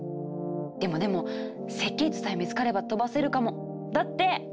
でもでも設計図さえ見つかれば飛ばせるかもだって！